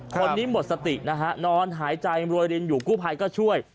คนนี้หมดสตินะฮะนอนหายใจรวยรินอยู่กู้ภัยก็ช่วย